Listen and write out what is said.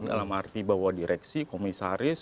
dalam arti bahwa direksi komisaris